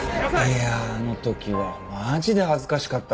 いやああの時はマジで恥ずかしかったですよ。